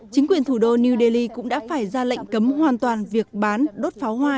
chính quyền thủ đô new delhi cũng đã phải ra lệnh cấm hoàn toàn việc bán đốt pháo hoa